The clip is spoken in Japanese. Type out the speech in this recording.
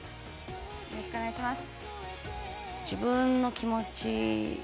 よろしくお願いします。